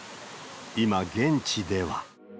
今、現地では。